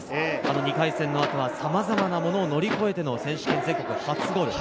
２回戦の後は、さまざまなものを乗り越えての選手権全国初ゴール。